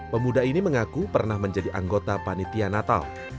pemuda ini mengaku pernah menjadi anggota panitia natal